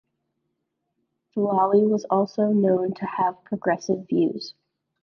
Filali was known to have progressive views.